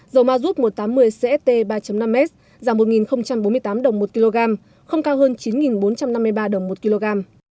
dầu ma rút một trăm tám mươi cst ba năm s giảm một bốn mươi tám đồng một kg không cao hơn chín bốn trăm năm mươi ba đồng một kg